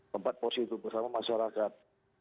tempat porsi itu bersama masyarakat